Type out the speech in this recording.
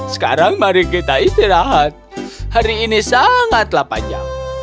sekarang mari kita istirahat hari ini sangatlah panjang